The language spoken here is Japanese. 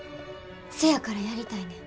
せやからやりたいねん。